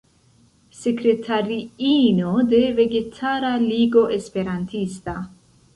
Sekretariino de Vegetara Ligo Esperantista.